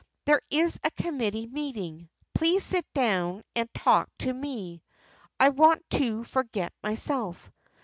"There is a committee meeting. Please sit down and talk to me. I want to forget myself.